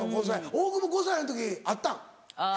大久保５歳の時あったん？